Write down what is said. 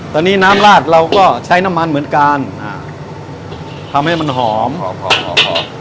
ตอนนี้น้ำลาดเราก็ใช้น้ำมันเหมือนกันอ่าทำให้มันหอมหอม